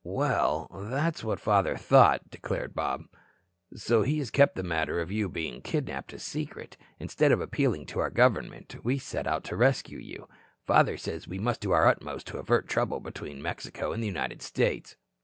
"Well, that's what father thought," declared Bob. "So he has kept the matter of your being kidnapped a secret. Instead of appealing to our government, we set out to rescue you. Father says we must do our utmost to avert trouble between Mexico and the United States."